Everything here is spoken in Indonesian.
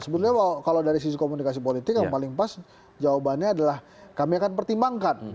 sebetulnya kalau dari sisi komunikasi politik yang paling pas jawabannya adalah kami akan pertimbangkan